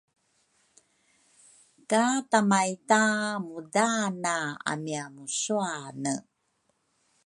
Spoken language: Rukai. ka tamaita mudaana amia musuane.